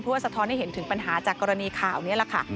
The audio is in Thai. เพื่อสะท้อนให้เห็นมีปัญหาจากกรณีข่าวนี้แล้ว